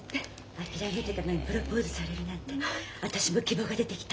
諦めてたのにプロポーズされるなんて私も希望が出てきた。